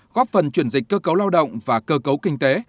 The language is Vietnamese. góp phần chuyển dịch cơ cấu lao động và cơ cấu kinh tế